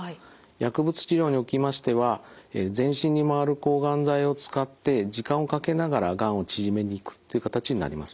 薬物治療におきましては全身に回る抗がん剤を使って時間をかけながらがんを縮めにいくという形になります。